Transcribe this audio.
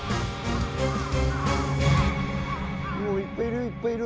うわいっぱいいるいっぱいいる。